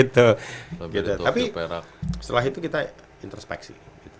tapi setelah itu kita introspeksi